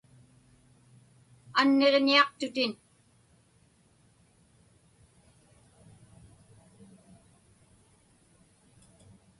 Anniġñiaqtutin.